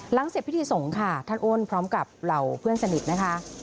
เสร็จพิธีสงฆ์ค่ะท่านอ้นพร้อมกับเหล่าเพื่อนสนิทนะคะ